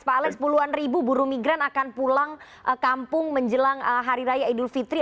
pak alex puluhan ribu buruh migran akan pulang kampung menjelang hari raya idul fitri